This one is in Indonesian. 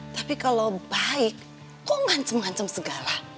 tapi kalau baik kok ngancem ngancem segala